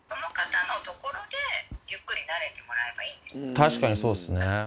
確かにそうですね。